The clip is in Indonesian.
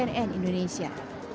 tim liputan cnn indonesia